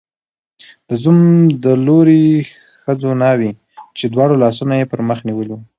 د زوم د لوري ښځو ناوې، چې دواړه لاسونه یې پر مخ نیولي وو